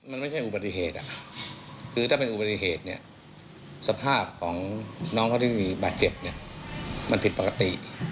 มันไม่ใช่อุบัติเหตุคือถ้าเป็นอุบัติเหตุเนี่ยสภาพของน้องเขาที่มีบาดเจ็บเนี่ยมันผิดปกติ